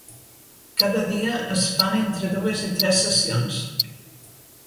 Cada dia es fan entre dues i tres sessions.